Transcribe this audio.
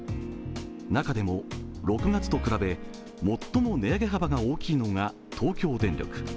中でも６月と比べ、最も値上げ幅が大きいのが東京電力。